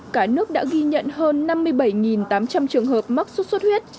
cả nước đã ghi nhận hơn năm mươi bảy tám trăm linh trường hợp mắc sốt xuất huyết